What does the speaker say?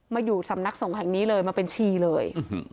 อยู่สำนักสงฆ์แห่งนี้เลยมาเป็นชีเลย